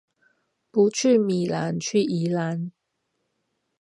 不去米蘭去宜蘭